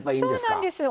そうなんです。